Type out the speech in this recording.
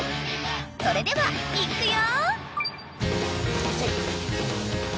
［それではいっくよ］